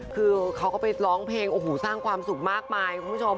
คือเขาก็ไปร้องเพลงโอ้โหสร้างความสุขมากมายคุณผู้ชม